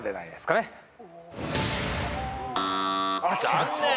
残念。